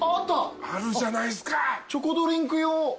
チョコドリンク用。